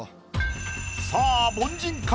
さあ凡人か？